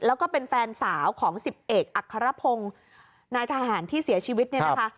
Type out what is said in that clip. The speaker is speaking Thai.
แล้วก็เป็นแฟนสาวของสิบเอกอัครพงศ์นายทหารที่เสียชีวิตเนี่ยนะคะ